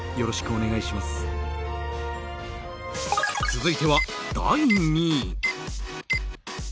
続いては第２位。